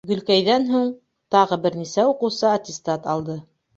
Гөлкәйҙән һуң тағы бер нисә уҡыусы аттестат алды.